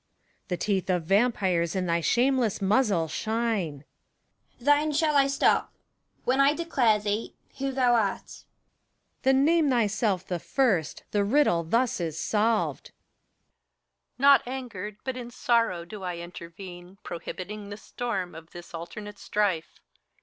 PHORKYAS. The teeth of vampires in thy shameless muzzle shine ! IJ5ADI«R OF THE CHORUS. Thine shall I stop, when I declare thee who thou art. PHORKYAS. Then name thyself the first! The riddle thus is solved. HELENA. Not angered, but in sorrow, do I intervene, Prohibiting the storm of this alternate strife